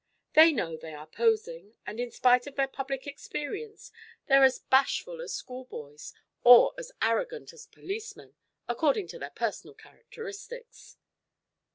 They know they are posing, and in spite of their public experience they're as bashful as schoolboys or as arrogant as policemen, according to their personal characteristics."